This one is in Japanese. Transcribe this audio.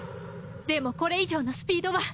でもこれ以上のスピードは。